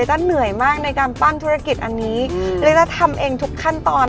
ต้าเหนื่อยมากในการปั้นธุรกิจอันนี้ลิต้าทำเองทุกขั้นตอน